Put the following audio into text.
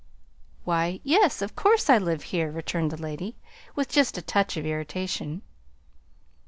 "Why, yes, of course I live here," returned the lady, with just a touch of irritation.